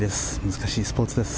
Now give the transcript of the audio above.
難しいスポーツです。